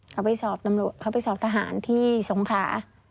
เขาไปสอบทหารที่สงขา